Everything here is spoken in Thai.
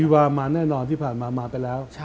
ว่ามาแน่นอนที่ผ่านมามาไปแล้ว